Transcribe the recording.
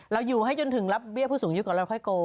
เราอยู่ให้จนถึงรับเบี้ยผู้สูงยุคของเราค่อยโกรธ์